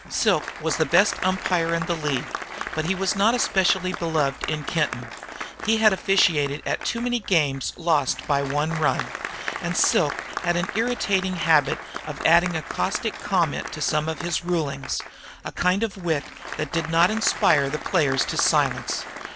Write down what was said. Silk was the best umpire in the league. But he was not especially beloved in Kenton. He had officiated in too many games lost by one run. And Silk had an irritating habit of adding a caustic comment to some of his rulings, a kind of wit that did not inspire the players to silence.